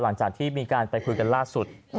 หลังจากที่มีการไปคุยกันล่าสุด